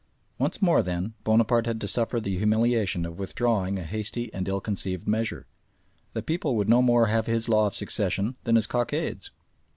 Once more, then, Bonaparte had to suffer the humiliation of withdrawing a hasty and ill conceived measure. The people would no more have his law of succession than his cockades.